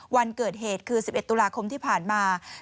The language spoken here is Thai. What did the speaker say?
วันเกิดเหตุคือ๑๑ตุลาคมที่ผ่านมา